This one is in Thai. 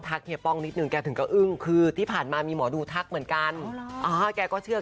แจ๊กริงแจ๊กริงแจ๊กริงแจ๊กริงแจ๊กริงแจ๊กริงแจ๊กริงแจ๊กริงแจ๊กริงแจ๊กริงแจ๊กริง